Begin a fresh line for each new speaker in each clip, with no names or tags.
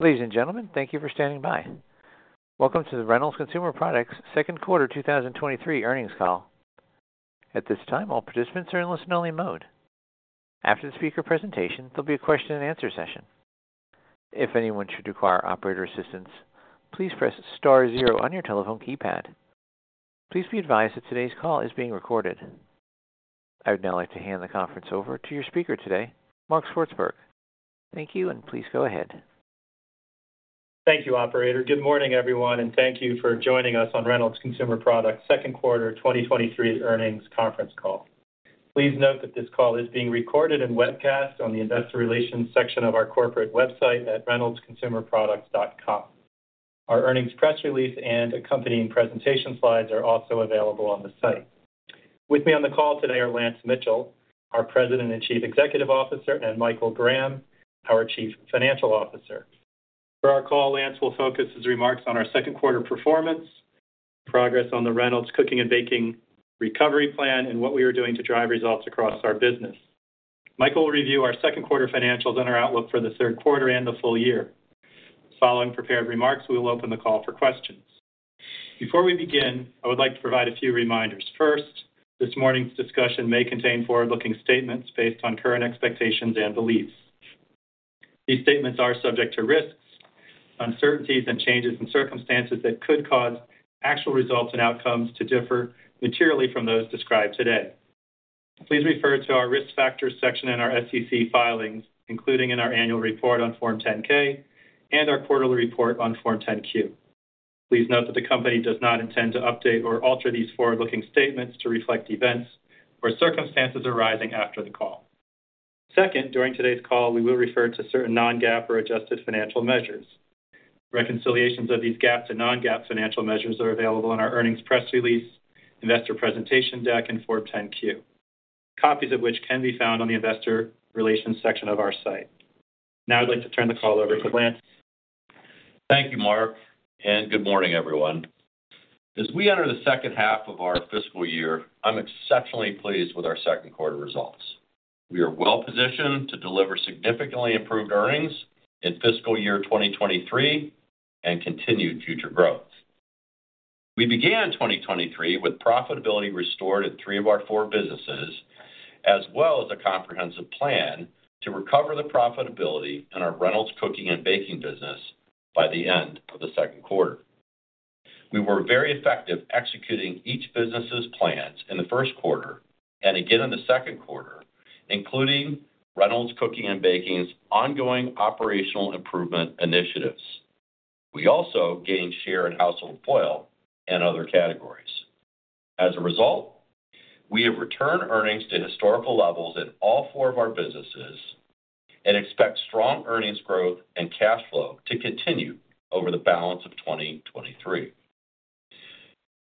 Ladies and gentlemen, thank you for standing by. Welcome to the Reynolds Consumer Products Second Quarter 2023 Earnings Call. At this time, all participants are in listen-only mode. After the speaker presentation, there'll be a question and answer session. If anyone should require operator assistance, please press star zero on your telephone keypad. Please be advised that today's call is being recorded. I would now like to hand the conference over to your speaker today, Mark Swartzberg. Thank you, and please go ahead.
Thank you, Operator. Good morning, everyone, and thank you for joining us on Reynolds Consumer Products Second Quarter 2023 Earnings Conference Call. Please note that this call is being recorded and webcast on the investor relations section of our corporate website at reynoldsconsumerproducts.com. Our earnings press release and accompanying presentation slides are also available on the site. With me on the call today are Lance Mitchell, our President and Chief Executive Officer, and Michael Graham, our Chief Financial Officer. For our call, Lance will focus his remarks on our second quarter performance, progress on the Reynolds Cooking and Baking Recovery Plan, and what we are doing to drive results across our business. Michael will review our second quarter financials and our outlook for the third quarter and the full year. Following prepared remarks, we will open the call for questions. Before we begin, I would like to provide a few reminders. First, this morning's discussion may contain forward-looking statements based on current expectations and beliefs. These statements are subject to risks, uncertainties, and changes in circumstances that could cause actual results and outcomes to differ materially from those described today. Please refer to our Risk Factors section in our SEC filings, including in our annual report on Form 10-K and our quarterly report on Form 10-Q. Please note that the company does not intend to update or alter these forward-looking statements to reflect events or circumstances arising after the call. Second, during today's call, we will refer to certain non-GAAP or adjusted financial measures. Reconciliations of these GAAP and non-GAAP financial measures are available in our earnings press release, investor presentation deck, and Form 10-Q, copies of which can be found on the investor relations section of our site. Now I'd like to turn the call over to Lance.
Thank you, Mark, and good morning, everyone. As we enter the second half of our fiscal year, I'm exceptionally pleased with our second quarter results. We are well positioned to deliver significantly improved earnings in fiscal year 2023 and continued future growth. We began in 2023 with profitability restored in three of our four businesses, as well as a comprehensive plan to recover the profitability in our Reynolds Cooking & Baking business by the end of the second quarter. We were very effective executing each business's plans in the first quarter and again in the second quarter, including Reynolds Cooking & Baking's ongoing operational improvement initiatives. We also gained share in household foil and other categories. As a result, we have returned earnings to historical levels in all four of our businesses and expect strong earnings growth and cash flow to continue over the balance of 2023.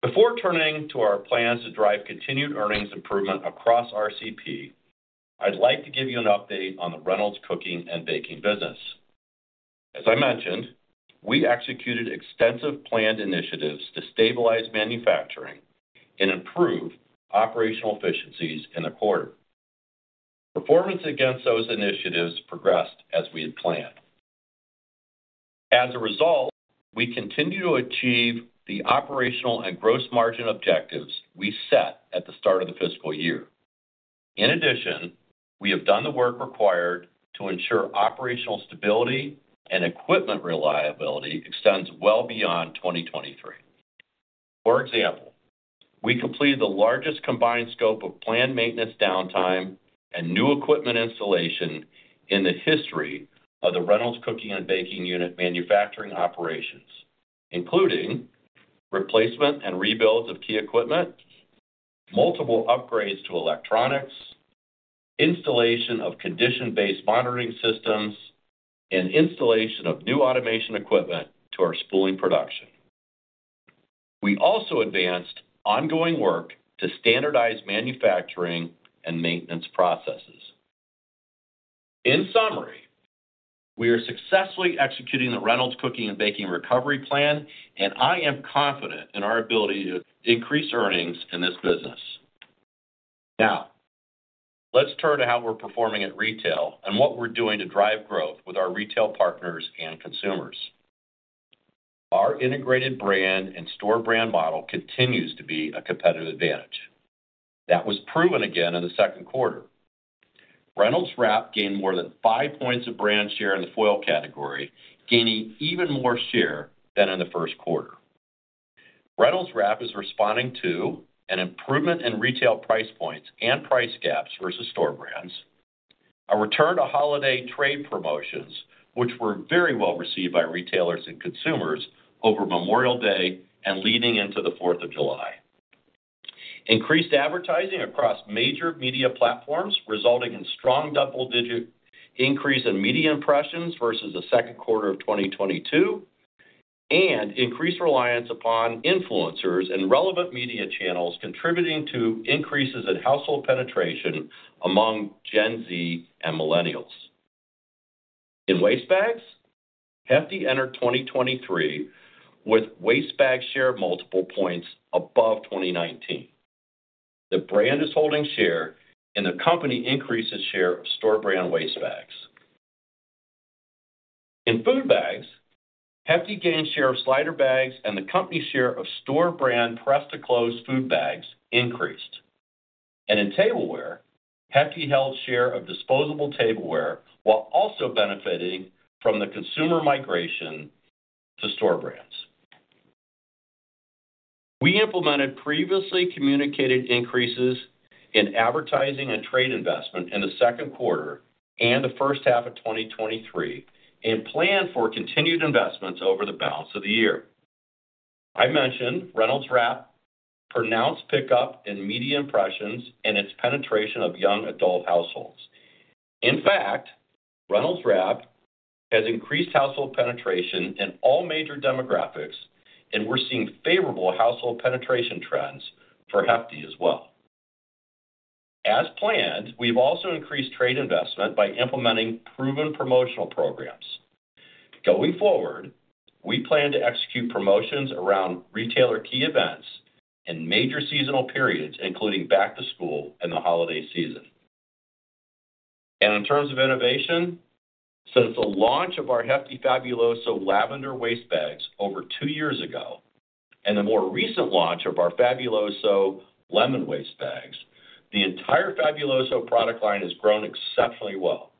Before turning to our plans to drive continued earnings improvement across RCP, I'd like to give you an update on the Reynolds Cooking and Baking business. As I mentioned, we executed extensive planned initiatives to stabilize manufacturing and improve operational efficiencies in the quarter. Performance against those initiatives progressed as we had planned. As a result, we continue to achieve the operational and gross margin objectives we set at the start of the fiscal year. In addition, we have done the work required to ensure operational stability and equipment reliability extends well beyond 2023. For example, we completed the largest combined scope of planned maintenance downtime and new equipment installation in the history of the Reynolds Cooking and Baking unit manufacturing operations, including replacement and rebuilds of key equipment, multiple upgrades to electronics, installation of condition-based monitoring systems, and installation of new automation equipment to our spooling production. We also advanced ongoing work to standardize manufacturing and maintenance processes. In summary, we are successfully executing the Reynolds Cooking and Baking Recovery Plan, and I am confident in our ability to increase earnings in this business. Let's turn to how we're performing at retail and what we're doing to drive growth with our retail partners and consumers. Our integrated brand and store brand model continues to be a competitive advantage. That was proven again in the second quarter. Reynolds Wrap gained more than five points of brand share in the foil category, gaining even more share than in the first quarter. Reynolds Wrap is responding to an improvement in retail price points and price gaps versus store brands, a return to holiday trade promotions, which were very well received by retailers and consumers over Memorial Day and leading into the Fourth of July. Increased advertising across major media platforms, resulting in strong double-digit increase in media impressions versus the second quarter of 2022, increased reliance upon influencers and relevant media channels, contributing to increases in household penetration among Gen Z and millennials. In waste bags, Hefty entered 2023 with waste bag share multiple points above 2019. The brand is holding share, the company increases share of store brand waste bags. In food bags, Hefty gained share of slider bags, the company share of store brand press-to-close food bags increased. In tableware, Hefty held share of disposable tableware while also benefiting from the consumer migration to store brands. We implemented previously communicated increases in advertising and trade investment in the second quarter and the first half of 2023, plan for continued investments over the balance of the year. I mentioned Reynolds Wrap pronounced pickup in media impressions and its penetration of young adult households. In fact, Reynolds Wrap has increased household penetration in all major demographics, and we're seeing favorable household penetration trends for Hefty as well. As planned, we've also increased trade investment by implementing proven promotional programs. Going forward, we plan to execute promotions around retailer key events and major seasonal periods, including back to school and the holiday season. In terms of innovation, since the launch of our Hefty Fabuloso Lavender waste bags over two years ago, and the more recent launch of our Fabuloso Lemon waste bags, the entire Fabuloso product line has grown exceptionally well,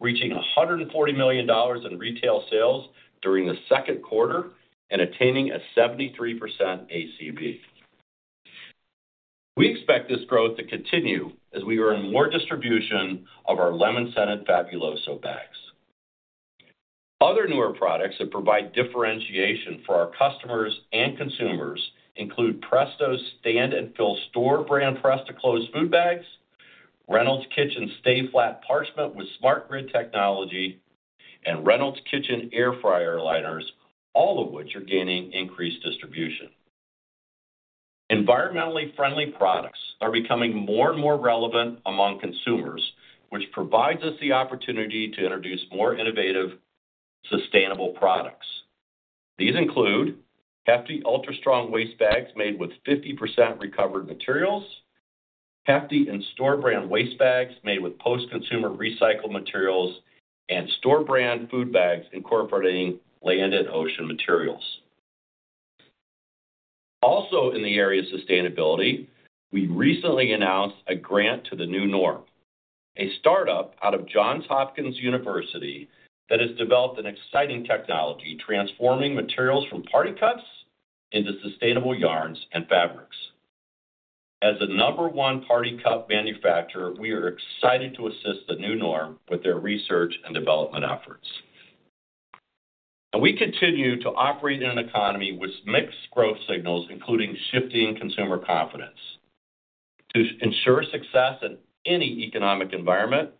reaching $140 million in retail sales during the second quarter and attaining a 73% ACV. We expect this growth to continue as we earn more distribution of our lemon-scented Fabuloso bags. Other newer products that provide differentiation for our customers and consumers include Presto's Stand & Fill store brand press-to-close food bags, Reynolds Kitchens Stay Flat Parchment with SmartGrid technology, and Reynolds Kitchens Air Fryer Liners, all of which are gaining increased distribution. Environmentally friendly products are becoming more and more relevant among consumers, which provides us the opportunity to introduce more innovative, sustainable products. These include Hefty Ultra Strong waste bags made with 50% recovered materials, Hefty and store brand waste bags made with post-consumer recycled materials, and store brand food bags incorporating land and ocean materials. Also, in the area of sustainability, we recently announced a grant to The New Norm, a startup out of Johns Hopkins University that has developed an exciting technology, transforming materials from party cups into sustainable yarns and fabrics. As the number one party cup manufacturer, we are excited to assist The New Norm with their research and development efforts. We continue to operate in an economy with mixed growth signals, including shifting consumer confidence. To ensure success in any economic environment,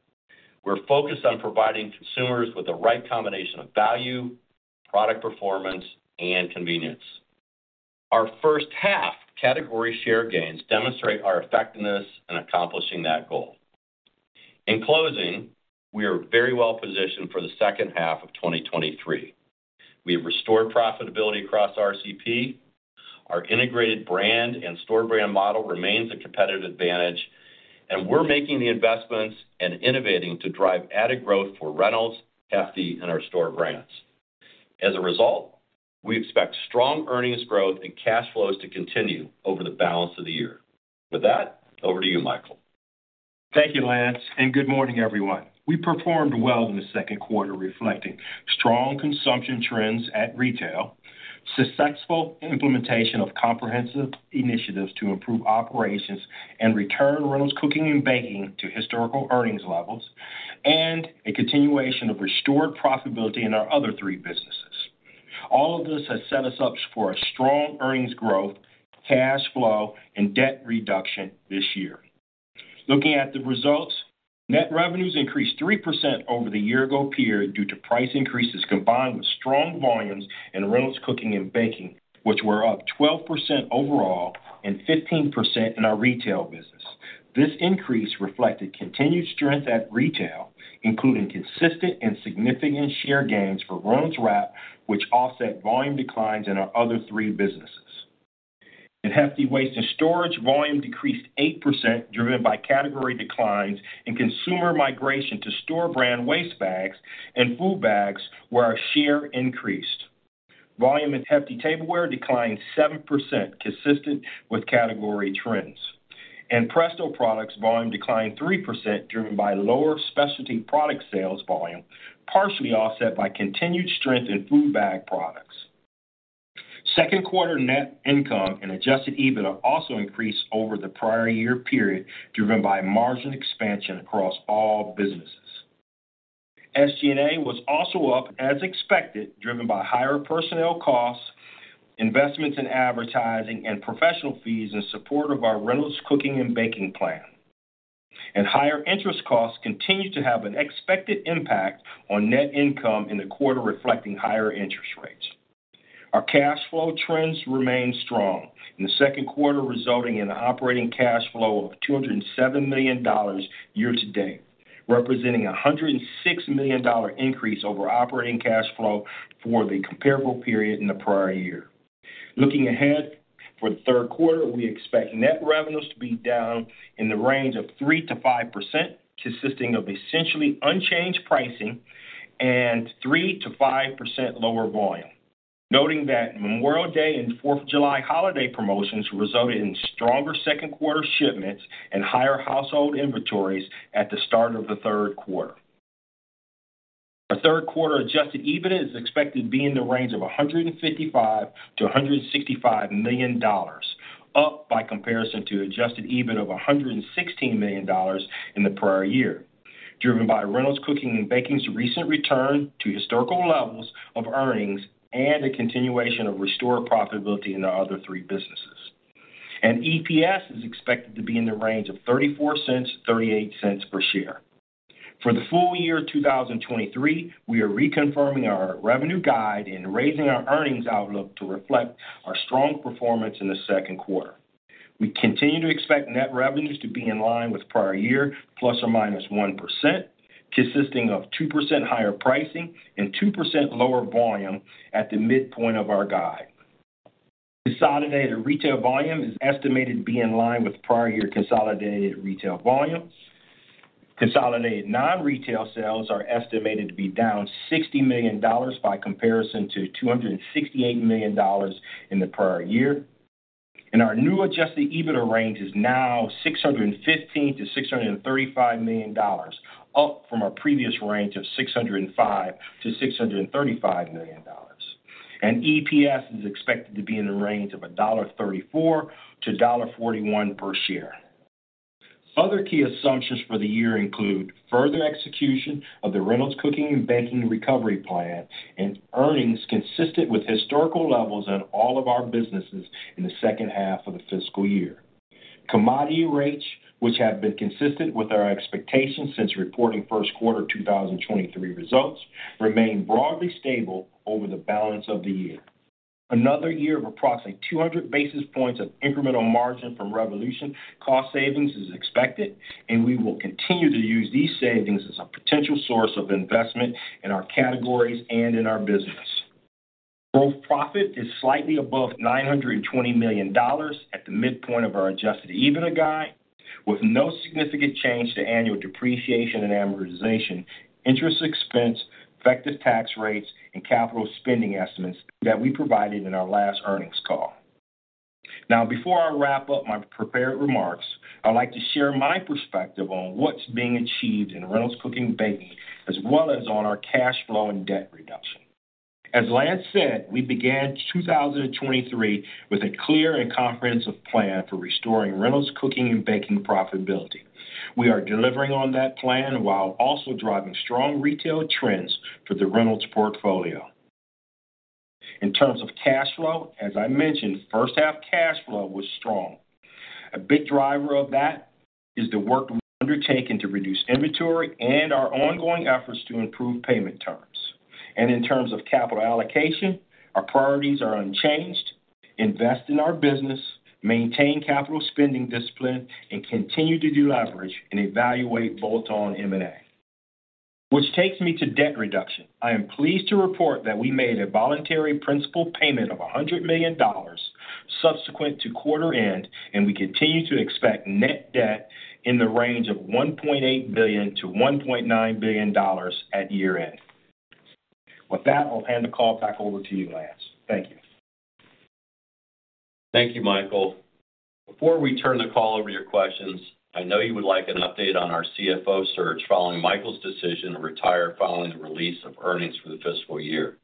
we're focused on providing consumers with the right combination of value, product performance, and convenience. Our first half category share gains demonstrate our effectiveness in accomplishing that goal. In closing, we are very well positioned for the second half of 2023. We have restored profitability across RCP, our integrated brand and store brand model remains a competitive advantage, and we're making the investments and innovating to drive added growth for Reynolds, Hefty, and our store brands. As a result, we expect strong earnings growth and cash flows to continue over the balance of the year. With that, over to you, Michael.
Thank you, Lance, and good morning, everyone. We performed well in the second quarter, reflecting strong consumption trends at retail, successful implementation of comprehensive initiatives to improve operations and return Reynolds Cooking & Baking to historical earnings levels, and a continuation of restored profitability in our other three businesses. All of this has set us up for a strong earnings growth, cash flow, and debt reduction this year. Looking at the results, net revenues increased 3% over the year ago period due to price increases, combined with strong volumes in Reynolds Cooking & Baking, which were up 12% overall and 15% in our retail business. This increase reflected continued strength at retail, including consistent and significant share gains for Reynolds Wrap, which offset volume declines in our other three businesses. In Hefty Waste & Storage, volume decreased 8%, driven by category declines and consumer migration to store brand waste bags and food bags, where our share increased. Volume in Hefty Tableware declined 7%, consistent with category trends, and Presto Products volume declined 3%, driven by lower specialty product sales volume, partially offset by continued strength in food bag products. Second quarter net income and Adjusted EBITDA also increased over the prior year period, driven by margin expansion across all businesses. SG&A was also up as expected, driven by higher personnel costs, investments in advertising, and professional fees in support of our Reynolds Cooking & Baking plan. Higher interest costs continued to have an expected impact on net income in the quarter, reflecting higher interest rates. Our cash flow trends remained strong in the second quarter, resulting in an operating cash flow of $207 million year to date, representing a $106 million increase over operating cash flow for the comparable period in the prior year. Looking ahead, for the third quarter, we expect net revenues to be down in the range of 3%-5%, consisting of essentially unchanged pricing and 3%-5% lower volume, noting that Memorial Day and Fourth of July holiday promotions resulted in stronger second quarter shipments and higher household inventories at the start of the third quarter. Our third quarter Adjusted EBITDA is expected to be in the range of $155 million-$165 million, up by comparison to Adjusted EBITDA of $116 million in the prior year, driven by Reynolds Cooking & Baking's recent return to historical levels of earnings and a continuation of restored profitability in the other three businesses. EPS is expected to be in the range of $0.34-$0.38 per share. For the full year, 2023, we are reconfirming our revenue guide and raising our earnings outlook to reflect our strong performance in the second quarter. We continue to expect net revenues to be in line with prior year, ±1%, consisting of 2% higher pricing and 2% lower volume at the midpoint of our guide. Consolidated retail volume is estimated to be in line with prior year consolidated retail volume. Consolidated non-retail sales are estimated to be down $60 million by comparison to $268 million in the prior year. Our new Adjusted EBITDA range is now $615 million-$635 million, up from our previous range of $605 million-$635 million. EPS is expected to be in the range of $1.34-$1.41 per share. Other key assumptions for the year include further execution of the Reynolds Cooking & Baking Recovery Plan and earnings consistent with historical levels at all of our businesses in the second half of the fiscal year. Commodity rates, which have been consistent with our expectations since reporting first quarter 2023 results, remain broadly stable over the balance of the year. Another year of approximately 200 basis points of incremental margin from Revolution cost savings is expected, We will continue to use these savings as a potential source of investment in our categories and in our business. Gross profit is slightly above $920 million at the midpoint of our Adjusted EBITDA guide, with no significant change to annual depreciation and amortization, interest expense, effective tax rates, and capital spending estimates that we provided in our last earnings call. Before I wrap up my prepared remarks, I'd like to share my perspective on what's being achieved in Reynolds Cooking & Baking, as well as on our cash flow and debt reduction. As Lance said, we began 2023 with a clear and comprehensive plan for restoring Reynolds Cooking & Baking profitability. We are delivering on that plan while also driving strong retail trends for the Reynolds portfolio. In terms of cash flow, as I mentioned, first half cash flow was strong. A big driver of that is the work we've undertaken to reduce inventory and our ongoing efforts to improve payment terms. In terms of capital allocation, our priorities are unchanged: invest in our business, maintain capital spending discipline, and continue to deleverage and evaluate bolt-on M&A. Which takes me to debt reduction. I am pleased to report that we made a voluntary principal payment of $100 million subsequent to quarter end, and we continue to expect net debt in the range of $1.8 billion-$1.9 billion at year-end. With that, I'll hand the call back over to you, Lance. Thank you.
Thank you, Michael. Before we turn the call over to your questions, I know you would like an update on our CFO search following Michael's decision to retire following the release of earnings for the fiscal year.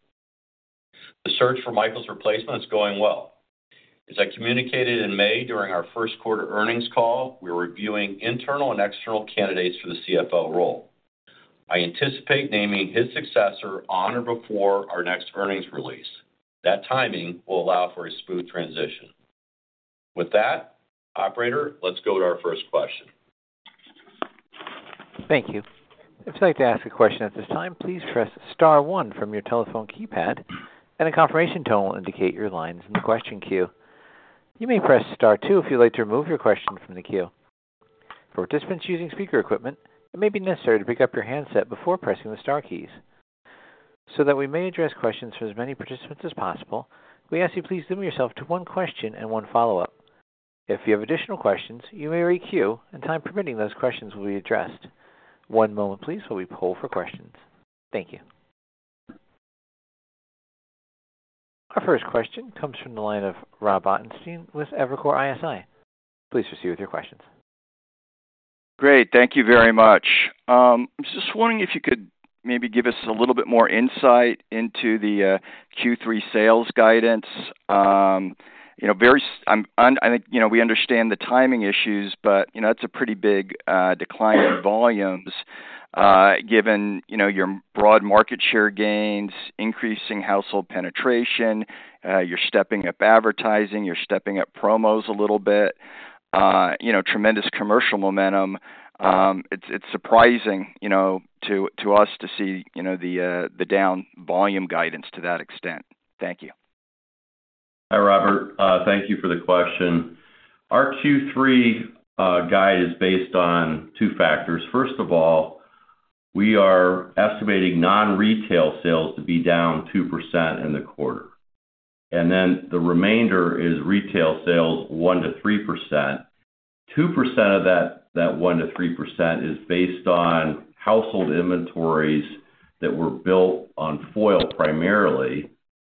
The search for Michael's replacement is going well. As I communicated in May during our first quarter earnings call, we are reviewing internal and external candidates for the CFO role. I anticipate naming his successor on or before our next earnings release. That timing will allow for a smooth transition. With that, operator, let's go to our first question.
Thank you. If you'd like to ask a question at this time, please press star one from your telephone keypad, and a confirmation tone will indicate your line's in the question queue. You may press Star two if you'd like to remove your question from the queue. For participants using speaker equipment, it may be necessary to pick up your handset before pressing the star keys. That we may address questions for as many participants as possible, we ask you please limit yourself to one question and one follow-up. If you have additional questions, you may queue, and time permitting, those questions will be addressed. One moment, please, while we poll for questions. Thank you. Our first question comes from the line of Rob Ottenstein with Evercore ISI. Please proceed with your questions.
Great, thank you very much. I was just wondering if you could maybe give us a little bit more insight into the Q3 sales guidance. You know, very, I'm, I'm, you know, we understand the timing issues, but, you know, that's a pretty big decline in volumes, given, you know, your broad market share gains, increasing household penetration, you're stepping up advertising, you're stepping up promos a little bit, you know, tremendous commercial momentum. It's, it's surprising, you know, to, to us to see, you know, the the down volume guidance to that extent. Thank you.
Hi, Robert. Thank you for the question. Our Q3 guide is based on two factors. First of all, we are estimating non-retail sales to be down 2% in the quarter, and then the remainder is retail sales, 1%-3%. 2% of that, that 1%-3% is based on household inventories that were built on foil primarily,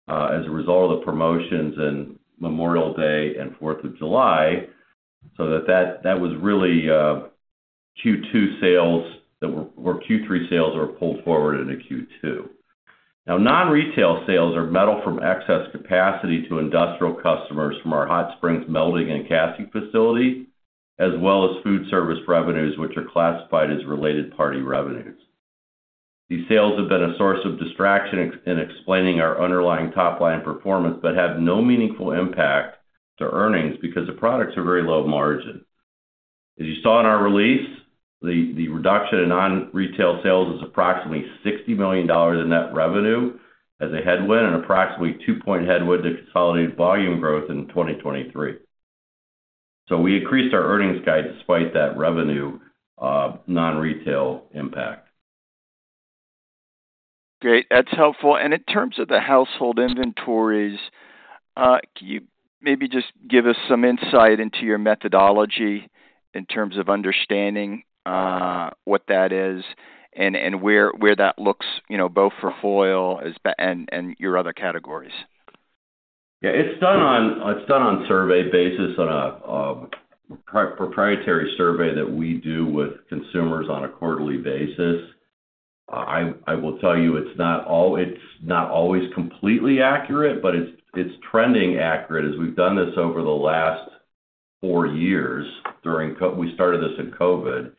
as a result of the promotions and Memorial Day and Fourth of July. That was really Q3 sales were pulled forward into Q2. Non-retail sales are metal from excess capacity to industrial customers from our Hot Springs Melting and Casting facility, as well as food service revenues, which are classified as related party revenues. These sales have been a source of distraction in explaining our underlying top-line performance, but have no meaningful impact to earnings because the products are very low margin. As you saw in our release, the reduction in non-retail sales is approximately $60 million in net revenue as a headwind and approximately 2-point headwind to consolidated volume growth in 2023. We increased our earnings guide despite that revenue non-retail impact.
Great. That's helpful. In terms of the household inventories, can you maybe just give us some insight into your methodology in terms of understanding, what that is and, and where, where that looks, you know, both for foil and, and your other categories?
It's done on, it's done on survey basis on a proprietary survey that we do with consumers on a quarterly basis. I, I will tell you, it's not all-- it's not always completely accurate, but it's, it's trending accurate as we've done this over the last 4 years during COVID. We started this in COVID,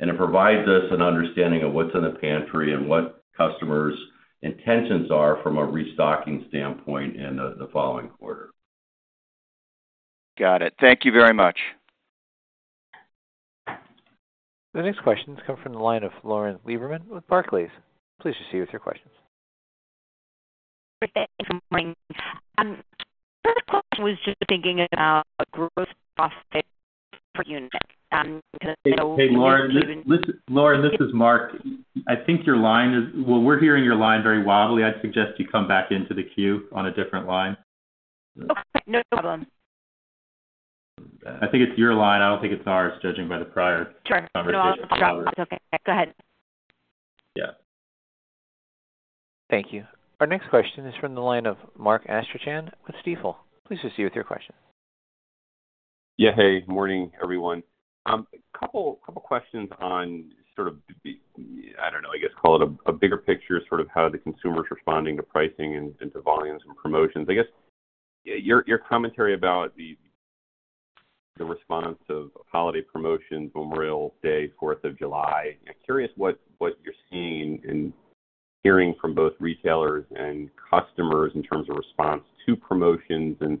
and it provides us an understanding of what's in the pantry and what customers' intentions are from a restocking standpoint in the, the following quarter.
Got it. Thank you very much.
The next question has come from the line of Lauren Lieberman with Barclays. Please proceed with your questions.
Good. Good morning. The first question was just thinking about growth for you.
Hey, Lauren. Listen, Lauren, this is Mark. I think your line is... Well, we're hearing your line very wobbly. I'd suggest you come back into the queue on a different line.
Okay, no problem.
I think it's your line. I don't think it's ours, judging by the prior-
Sure. Conversation. Okay, go ahead.
Yeah.
Thank you. Our next question is from the line of Mark Astrachan with Stifel. Please proceed with your question.
Yeah. Hey, morning, everyone. A couple, couple questions on sort of the, I don't know, I guess call it a, a bigger picture, sort of how the consumer is responding to pricing and to volumes and promotions. I guess, your, your commentary about the response of holiday promotions, Memorial Day, Fourth of July. I'm curious what, what you're seeing and hearing from both retailers and customers in terms of response to promotions and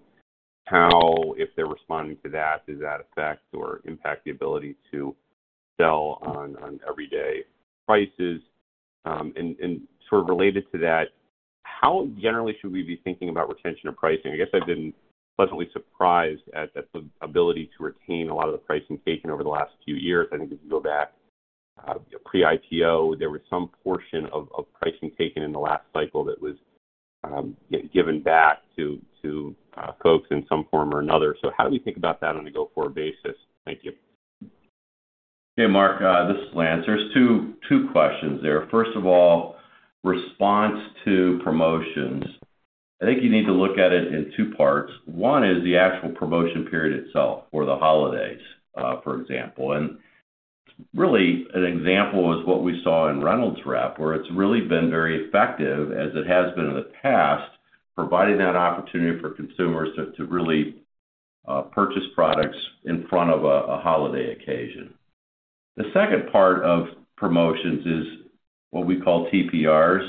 how, if they're responding to that, does that affect or impact the ability to sell on, on everyday prices? And sort of related to that, how generally should we be thinking about retention and pricing? I guess I've been pleasantly surprised at the ability to retain a lot of the pricing taken over the last few years. I think if you go back, pre-IPO, there was some portion of, of pricing taken in the last cycle that was given back to, to, folks in some form or another. How do we think about that on a go-forward basis? Thank you.
Hey, Mark, this is Lance. There's 2, 2 questions there. First of all, response to promotions. I think you need to look at it in 2 parts. One is the actual promotion period itself or the holidays, for example. Really, an example is what we saw in Reynolds Wrap, where it's really been very effective, as it has been in the past, providing that opportunity for consumers to, to really, purchase products in front of a, a holiday occasion. The second part of promotions is what we call TPRs,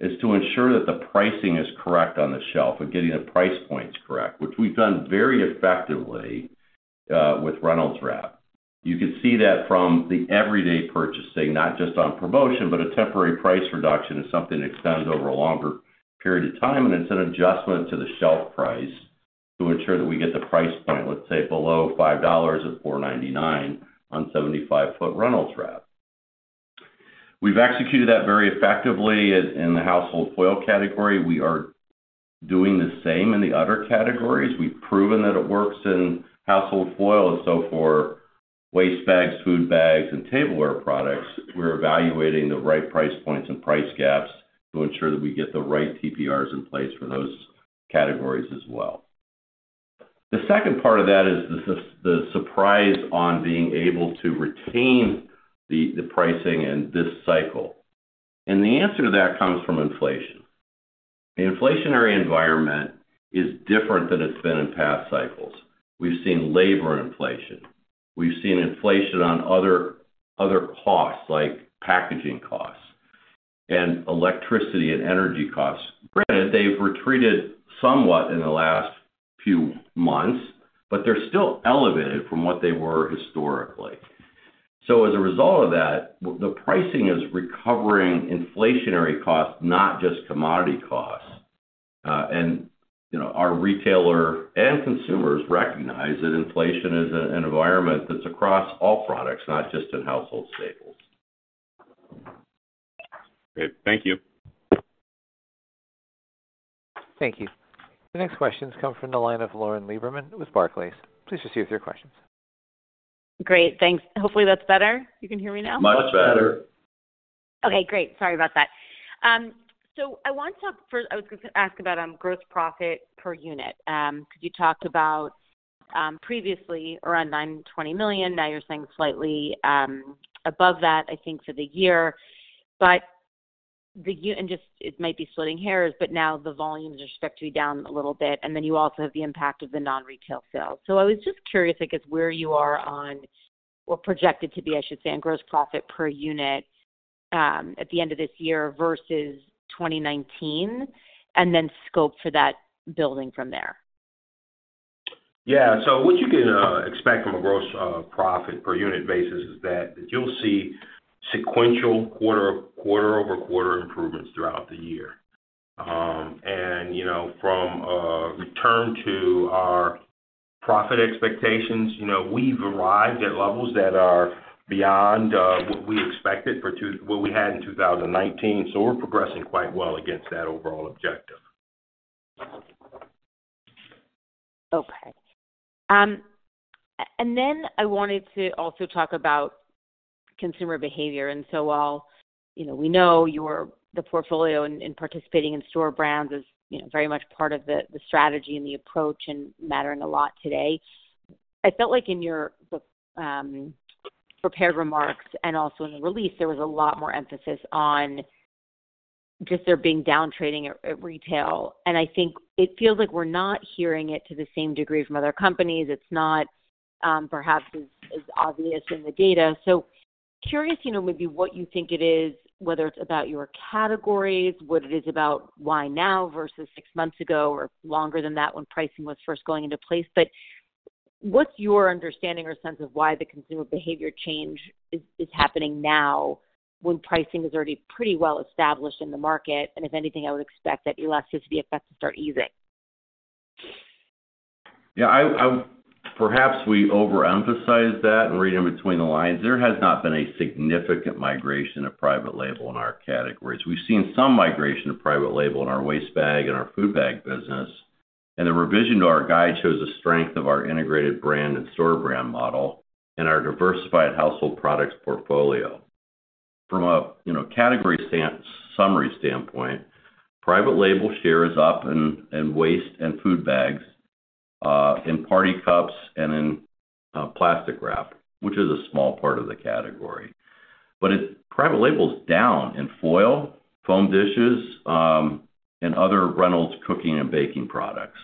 is to ensure that the pricing is correct on the shelf and getting the price points correct, which we've done very effectively, with Reynolds Wrap. You can see that from the everyday purchasing, not just on promotion, but a temporary price reduction is something that extends over a longer period of time, and it's an adjustment to the shelf price to ensure that we get the price point, let's say, below $5 at $4.99 on 75-foot Reynolds Wrap. We've executed that very effectively in, in the household foil category. We are doing the same in the other categories. We've proven that it works in household foil, and so for waste bags, food bags, and tableware products, we're evaluating the right price points and price gaps to ensure that we get the right TPRs in place for those categories as well. The second part of that is the surprise on being able to retain the, the pricing in this cycle. And the answer to that comes from inflation. The inflationary environment is different than it's been in past cycles. We've seen labor inflation. We've seen inflation on other, other costs, like packaging costs and electricity and energy costs. Granted, they've retreated somewhat in the last few months, but they're still elevated from what they were historically. As a result of that, the, the pricing is recovering inflationary costs, not just commodity costs. You know, our retailer and consumers recognize that inflation is an environment that's across all products, not just in household staples.
Great. Thank you.
Thank you. The next questions come from the line of Lauren Lieberman with Barclays. Please proceed with your questions.
Great, thanks. Hopefully, that's better. You can hear me now?
Much better.
Okay, great. Sorry about that. I want to first-- I was gonna ask about gross profit per unit. 'Cause you talked about previously around $9 million-$20 million, now you're saying slightly above that, I think, for the year. The u-- and just, it might be splitting hairs, but now the volumes are expected to be down a little bit, and then you also have the impact of the non-retail sales. I was just curious, I guess, where you are on what projected to be, I should say, on gross profit per unit, at the end of this year versus 2019, and then scope for that building from there.
Yeah, so what you can expect from a gross profit per unit basis is that you'll see sequential quarter, quarter-over-quarter improvements throughout the year. You know, from a return to our profit expectations, you know, we've arrived at levels that are beyond what we expected for what we had in 2019, so we're progressing quite well against that overall objective.
Okay. Then I wanted to also talk about consumer behavior, so while, you know, we know your, the portfolio and, and participating in store brands is, you know, very much part of the, the strategy and the approach and mattering a lot today. I felt like in your prepared remarks and also in the release, there was a lot more emphasis on just there being down trading at, at retail. I think it feels like we're not hearing it to the same degree from other companies. It's not, perhaps as obvious in the data. Curious, you know, maybe what you think it is, whether it's about your categories, what it is about why now versus 6 months ago or longer than that when pricing was first going into place. What's your understanding or sense of why the consumer behavior change is, is happening now when pricing is already pretty well established in the market? If anything, I would expect that elasticity effect to start easing.
Yeah, perhaps we overemphasized that. Reading between the lines, there has not been a significant migration of private label in our categories. We've seen some migration of private label in our waste bag and our food bag business. The revision to our guide shows the strength of our integrated brand and store brand model and our diversified household products portfolio. From a, you know, category summary standpoint, private label share is up in waste and food bags, in party cups and in plastic wrap, which is a small part of the category. Private label is down in foil, foam dishes, and other Reynolds Cooking & Baking products.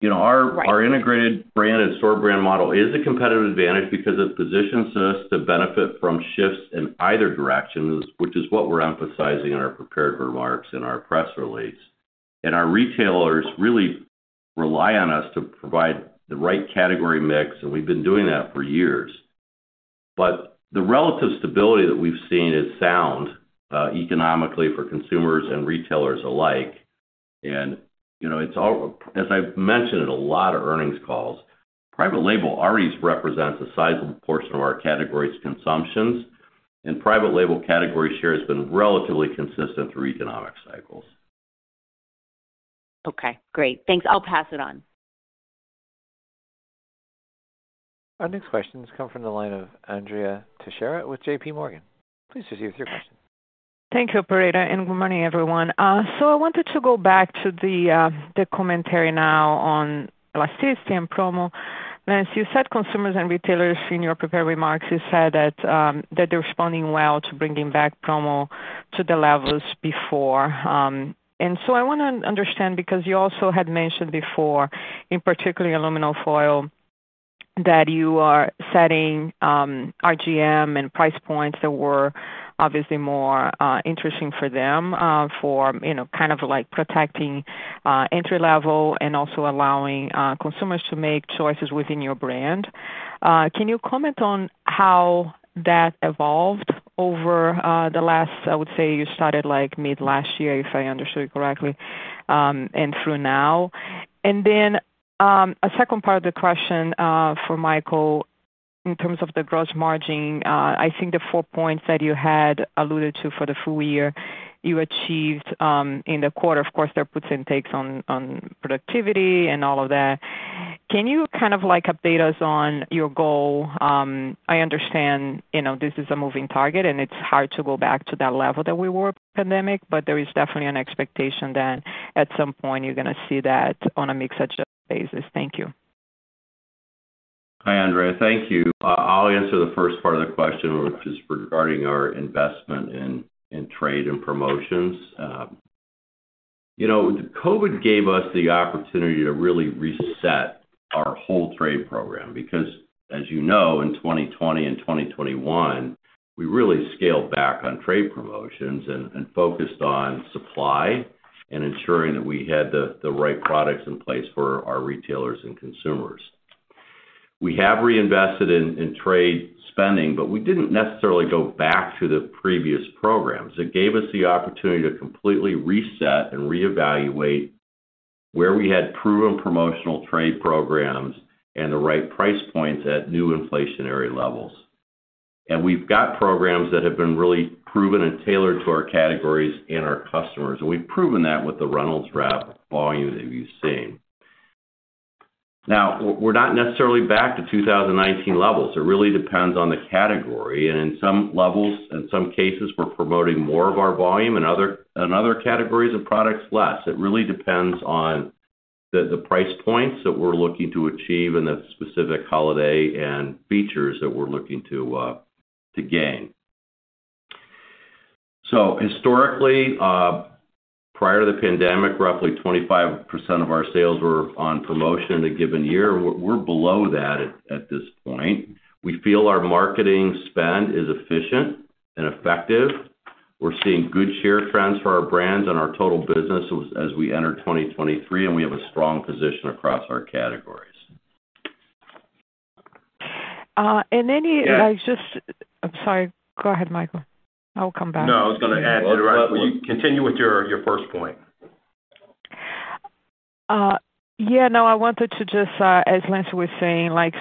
You know, our-
Right.
Our integrated brand and store brand model is a competitive advantage because it positions us to benefit from shifts in either directions, which is what we're emphasizing in our prepared remarks in our press release. Our retailers really rely on us to provide the right category mix, and we've been doing that for years. The relative stability that we've seen is sound economically for consumers and retailers alike. You know, as I've mentioned in a lot of earnings calls, private label already represents a sizable portion of our categories consumption, and private label category share has been relatively consistent through economic cycles.
Okay, great. Thanks. I'll pass it on.
Our next questions come from the line of Andrea Teixeira with JPMorgan. Please proceed with your question.
Thank you, operator, and good morning, everyone. I wanted to go back to the commentary now on elasticity and promo. As you said, consumers and retailers in your prepared remarks, you said that they're responding well to bringing back promo to the levels before. I want to understand, because you also had mentioned before, in particularly aluminum foil, that you are setting RGM and price points that were obviously more interesting for them, for, you know, kind of like protecting entry-level and also allowing consumers to make choices within your brand. Can you comment on how that evolved over the last, I would say you started like mid-last year, if I understood correctly, and through now? A second part of the question for Michael, in terms of the gross margin, I think the 4 points that you had alluded to for the full year you achieved in the quarter. Of course, there are puts and takes on productivity and all of that. Can you kind of like update us on your goal? I understand, you know, this is a moving target, and it's hard to go back to that level that we were pandemic, but there is definitely an expectation that at some point you're gonna see that on a mix adjusted basis. Thank you.
Hi, Andrea. Thank you. I'll answer the first part of the question, which is regarding our investment in, in trade and promotions. You know, COVID gave us the opportunity to really reset our whole trade program, because, as you know, in 2020 and 2021, we really scaled back on trade promotions and, and focused on supply and ensuring that we had the, the right products in place for our retailers and consumers. We have reinvested in, in trade spending, but we didn't necessarily go back to the previous programs. It gave us the opportunity to completely reset and reevaluate where we had proven promotional trade programs and the right price points at new inflationary levels. We've got programs that have been really proven and tailored to our categories and our customers, and we've proven that with the Reynolds Wrap volume that you've seen. We're, we're not necessarily back to 2019 levels. It really depends on the category, in some levels, in some cases, we're promoting more of our volume, in other, in other categories of products, less. It really depends on the price points that we're looking to achieve in the specific holiday and features that we're looking to gain. Historically, prior to the pandemic, roughly 25% of our sales were on promotion in a given year. We're, we're below that at, at this point. We feel our marketing spend is efficient and effective. We're seeing good share trends for our brands and our total business as, as we enter 2023, we have a strong position across our categories.
Uh, and any-
Yes.
I'm sorry. Go ahead, Michael. I'll come back.
No, I was gonna add to that.
Will you continue with your, your first point?
Yeah, no, I wanted to just, as Lance was saying, like,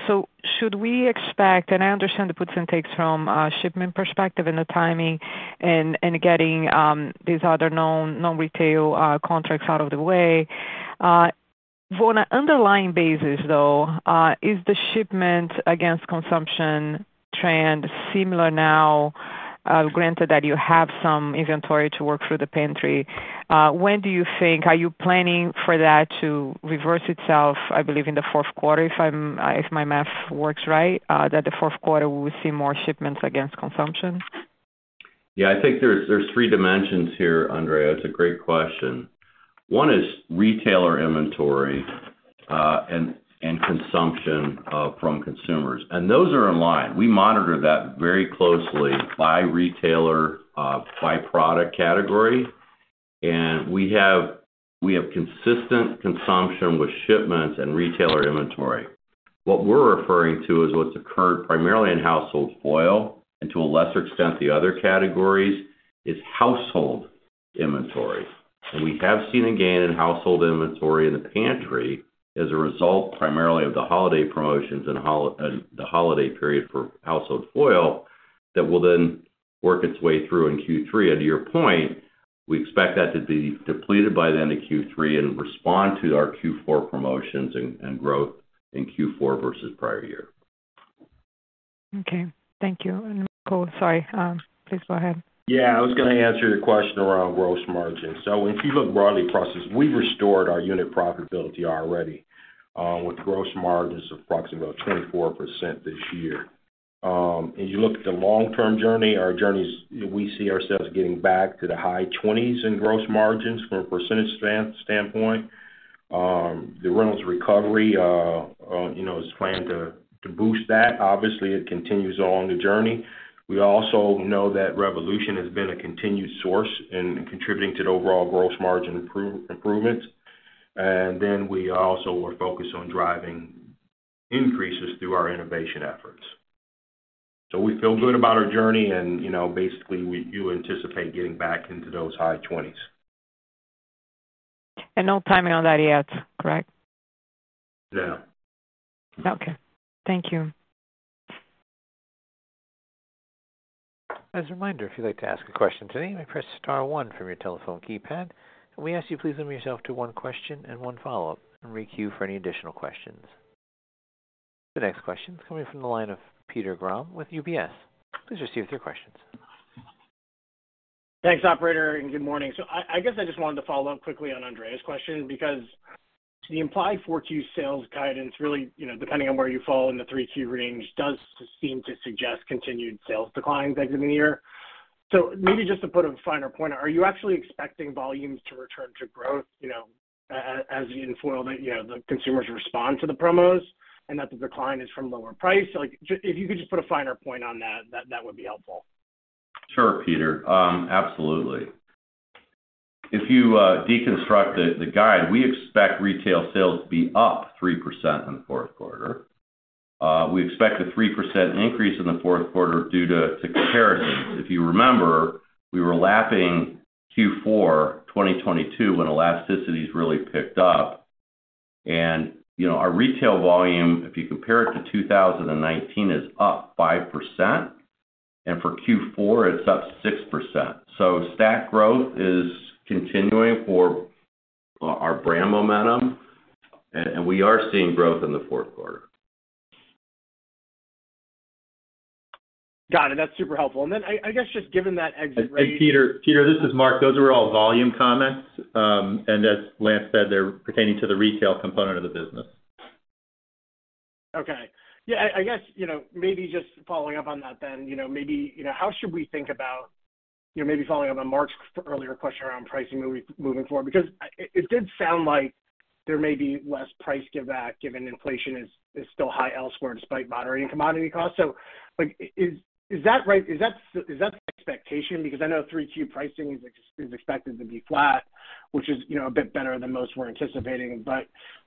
should we expect, and I understand the puts and takes from a shipment perspective and the timing and getting these other known non-retail contracts out of the way. On an underlying basis, though, is the shipment against consumption trend similar now, granted that you have some inventory to work through the pantry, when are you planning for that to reverse itself, I believe, in the fourth quarter, if my math works right, that the fourth quarter we will see more shipments against consumption?
Yeah, I think there's, there's three dimensions here, Andrea. It's a great question. One is retailer inventory, and, and consumption from consumers, and those are in line. We monitor that very closely by retailer, by product category, and we have, we have consistent consumption with shipments and retailer inventory. What we're referring to is what's occurred primarily in household foil and to a lesser extent, the other categories, is household inventory. We have seen a gain in household inventory in the pantry as a result, primarily of the holiday promotions and the holiday period for household foil, that will then work its way through in Q3. To your point, we expect that to be depleted by the end of Q3 and respond to our Q4 promotions and, and growth in Q4 versus prior year.
Okay, thank you. Michael, sorry, please go ahead.
Yeah, I was gonna answer your question around gross margin. If you look broadly across this, we've restored our unit profitability already, with gross margins of approximately 24% this year. As you look at the long-term journey, our journeys, we see ourselves getting back to the high 20s in gross margins from a percentage standpoint. The Reynolds recovery, you know, is planned to boost that. Obviously, it continues on the journey. We also know that Revolution has been a continued source in contributing to the overall gross margin improvement. Then we also are focused on driving increases through our innovation efforts. We feel good about our journey and, you know, basically, you anticipate getting back into those high 20s.
No timing on that yet, correct?
No.
Okay, thank you.
As a reminder, if you'd like to ask a question today, press star one from your telephone keypad. We ask you to please limit yourself to one question and one follow-up, and requeue for any additional questions. The next question is coming from the line of Peter Grom with UBS. Please proceed with your questions.
Thanks, operator, and good morning. I guess I just wanted to follow up quickly on Andrea's question, because the implied 4Q sales guidance really, you know, depending on where you fall in the 3Q range, does seem to suggest continued sales declines exit in the year. Maybe just to put a finer point, are you actually expecting volumes to return to growth, you know, as in foil, that, you know, the consumers respond to the promos and that the decline is from lower price? If you could just put a finer point on that, that, that would be helpful.
Sure, Peter, absolutely. If you deconstruct the guide, we expect retail sales to be up 3% in the fourth quarter. We expect a 3% increase in the fourth quarter due to comparisons. If you remember, we were lapping Q4 2022, when elasticities really picked up. You know, our retail volume, if you compare it to 2019, is up 5%, and for Q4 it's up 6%. Stack growth is continuing for our, our brand momentum, and we are seeing growth in the fourth quarter.
Got it. That's super helpful. Then I guess, just given that exit rate.
Hey, Peter, Peter, this is Mark. Those were all volume comments. As Lance said, they're pertaining to the retail component of the business.
Okay. Yeah, you know, maybe just following up on that then, you know, maybe, you know, how should we think about, you know, maybe following up on Mark's earlier question around pricing moving forward, because it did sound like there may be less price giveback, given inflation is still high elsewhere despite moderating commodity costs. Like, is that right? Is that the expectation? I know 3Q pricing is expected to be flat, which is, you know, a bit better than most were anticipating.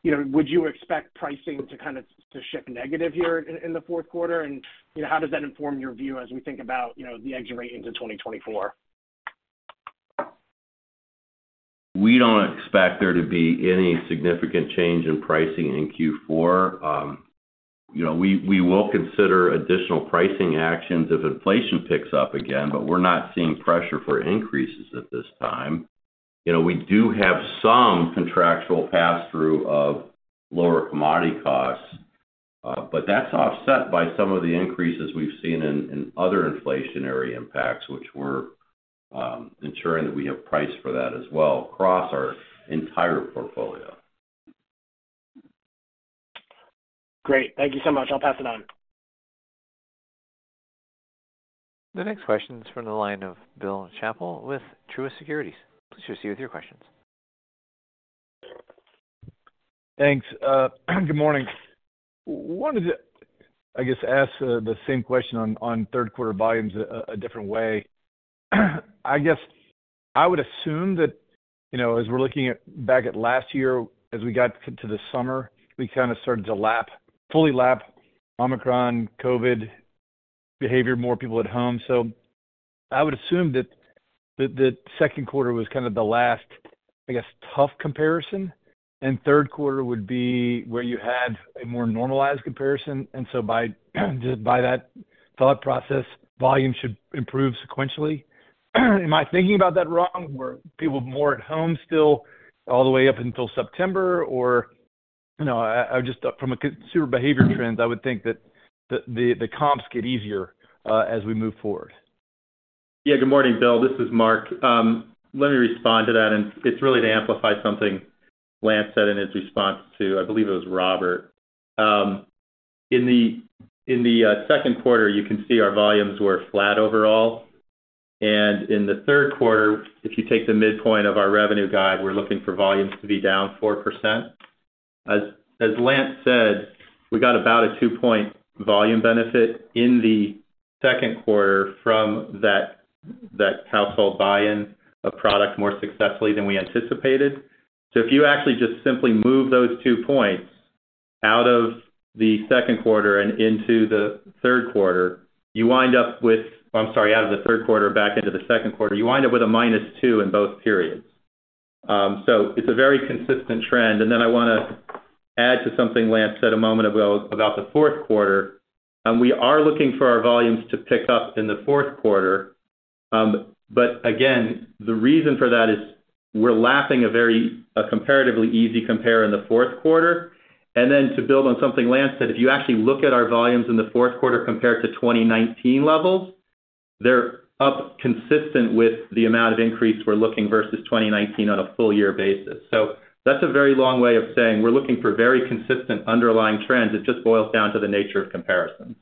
You know, would you expect pricing to kind of shift negative here in the fourth quarter? You know, how does that inform your view as we think about, you know, the exit rate into 2024?
We don't expect there to be any significant change in pricing in Q4. You know, we, we will consider additional pricing actions if inflation picks up again, but we're not seeing pressure for increases at this time. You know, we do have some contractual passthrough of lower commodity costs, but that's offset by some of the increases we've seen in, in other inflationary impacts, which we're ensuring that we have priced for that as well across our entire portfolio.
Great. Thank you so much. I'll pass it on.
The next question is from the line of Bill Chappell with Truist Securities. Please proceed with your questions.
Thanks. Good morning. Wanted to, I guess, ask the same question on third quarter volumes a different way. I guess I would assume that, you know, as we're looking at, back at last year, as we got to the summer, we kind of started to lap, fully lap Omicron, COVID behavior, more people at home. I would assume that the second quarter was kind of the last, I guess, tough comparison, and third quarter would be where you had a more normalized comparison. By, just by that thought process, volume should improve sequentially. Am I thinking about that wrong? Were people more at home still all the way up until September? You know, I, I just, from a consumer behavior trends, I would think that the comps get easier as we move forward.
Yeah, good morning, Bill. This is Mark. Let me respond to that, and it's really to amplify something Lance said in his response to, I believe it was Robert. In the, in the, second quarter, you can see our volumes were flat overall. In the third quarter, if you take the midpoint of our revenue guide, we're looking for volumes to be down 4%. As, as Lance said, we got about a 2-point volume benefit in the second quarter from that, that household buy-in of product more successfully than we anticipated. If you actually just simply move those 2 points out of the second quarter and into the third quarter, you wind up with... I'm sorry, out of the third quarter, back into the second quarter, you wind up with a -2 in both periods. It's a very consistent trend. Then I wanna add to something Lance said a moment ago about the fourth quarter, and we are looking for our volumes to pick up in the fourth quarter. But again, the reason for that is we're lapping a very, a comparatively easy compare in the fourth quarter. Then to build on something Lance said, if you actually look at our volumes in the fourth quarter compared to 2019 levels, they're up consistent with the amount of increase we're looking versus 2019 on a full year basis. That's a very long way of saying we're looking for very consistent underlying trends. It just boils down to the nature of comparison.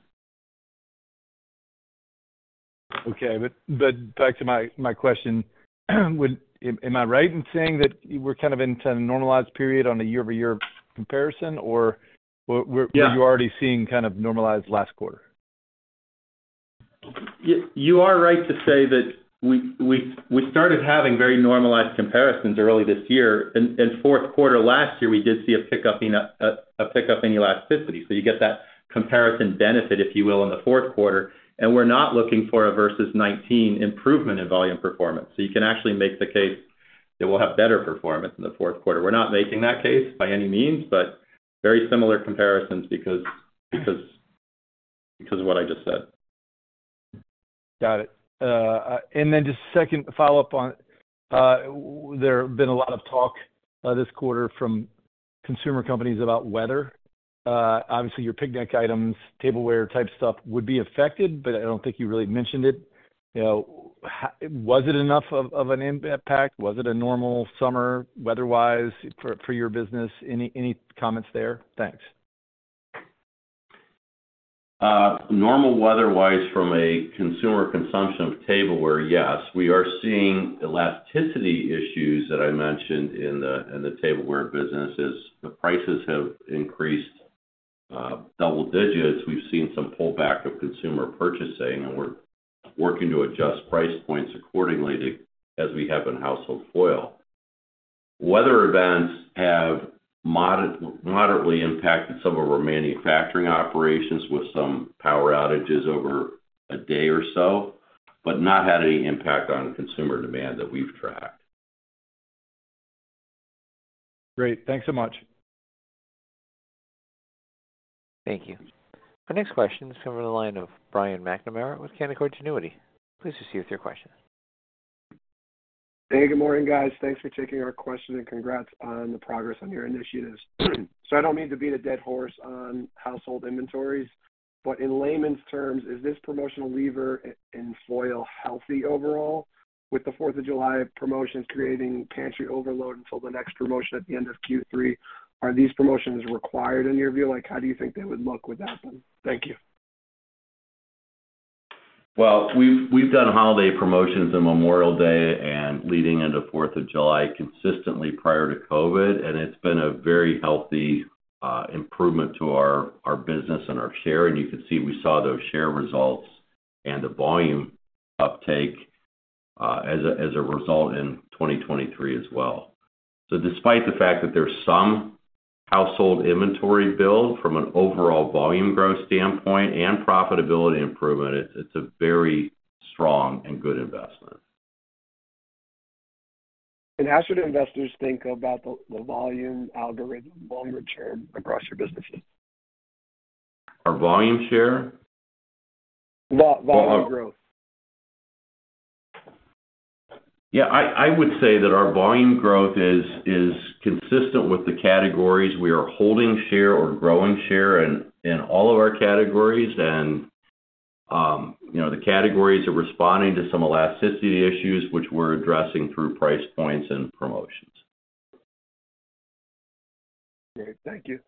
Okay, back to my, my question, am I right in saying that we're kind of into a normalized period on a year-over-year comparison, or we're...
Yeah.
We're already seeing kind of normalized last quarter?
You are right to say that we started having very normalized comparisons early this year. In fourth quarter last year, we did see a pickup in elasticity. You get that comparison benefit, if you will, in the fourth quarter, and we're not looking for a versus 19 improvement in volume performance. You can actually make the case that we'll have better performance in the fourth quarter. We're not making that case by any means, but very similar comparisons because of what I just said.
Got it. Then just second follow-up on, there have been a lot of talk this quarter from consumer companies about weather. Obviously, your picnic items, tableware-type stuff would be affected, but I don't think you really mentioned it. You know, how... Was it enough of an impact? Was it a normal summer, weather-wise, for your business? Any comments there? Thanks.
Normal weather-wise from a consumer consumption of tableware, yes. We are seeing elasticity issues that I mentioned in the tableware business is the prices have increased double digits. We've seen some pullback of consumer purchasing, and we're working to adjust price points accordingly, as we have in household foil. Weather events have moderately impacted some of our manufacturing operations with some power outages over a day or so, but not had any impact on the consumer demand that we've tracked.
Great. Thanks so much.
Thank you. Our next question is coming from the line of Brian McNamara with Canaccord Genuity. Please proceed with your question.
Hey, good morning, guys. Thanks for taking our question, and congrats on the progress on your initiatives. I don't mean to beat a dead horse on household inventories, but in layman's terms, is this promotional lever in foil healthy overall? With the Fourth of July promotions creating pantry overload until the next promotion at the end of Q3, are these promotions required in your view? Like, how do you think they would look without them? Thank you.
.Well, we've done holiday promotions and Memorial Day and leading into Fourth of July consistently prior to COVID, and it's been a very healthy improvement to our business and our share. You can see we saw those share results and the volume uptake as a result in 2023 as well. Despite the fact that there's some household inventory build from an overall volume growth standpoint and profitability improvement, it's a very strong and good investment.
How should investors think about the volume algorithm, volume return across your businesses?
Our volume share?
Volume growth.
Yeah, I, I would say that our volume growth is, is consistent with the categories. We are holding share or growing share in, in all of our categories. You know, the categories are responding to some elasticity issues, which we're addressing through price points and promotions.
Great. Thank you.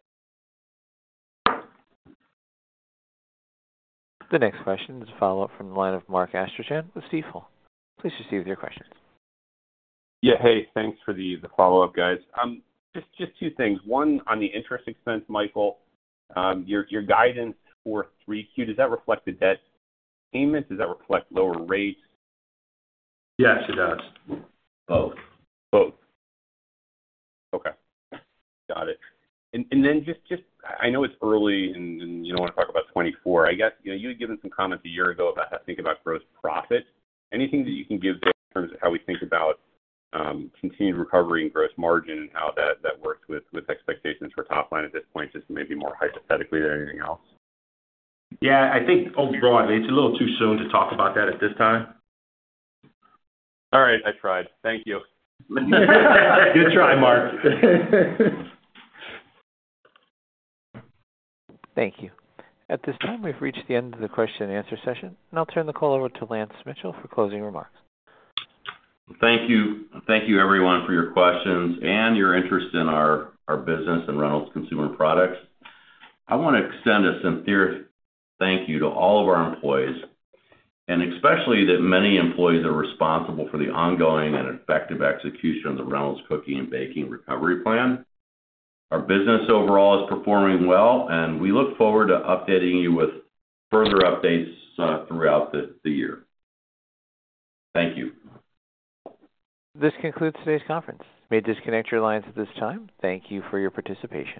The next question is a follow-up from the line of Mark Astrachan with Stifel. Please proceed with your question.
Yeah. Hey, thanks for the, the follow-up, guys. Just, just two things. One, on the interest expense, Michael, your, your guidance for 3Q, does that reflect the debt payments? Does that reflect lower rates?
Yes, it does. Both.
Okay, got it. I know it's early and you don't want to talk about 2024. I guess, you know, you had given some comments a year ago about how to think about gross profit. Anything that you can give there in terms of how we think about continued recovery and gross margin and how that works with expectations for top line at this point, just maybe more hypothetically than anything else?
Yeah, I think broadly, it's a little too soon to talk about that at this time.
All right, I tried. Thank you.
Good try, Mark.
Thank you. At this time, we've reached the end of the question and answer session, and I'll turn the call over to Lance Mitchell for closing remarks.
Thank you. Thank you, everyone, for your questions and your interest in our, our business and Reynolds Consumer Products. I want to extend a sincere thank you to all of our employees, and especially the many employees that are responsible for the ongoing and effective execution of the Reynolds Cooking & Baking Recovery Plan. Our business overall is performing well, and we look forward to updating you with further updates throughout the, the year. Thank you.
This concludes today's conference. You may disconnect your lines at this time. Thank you for your participation.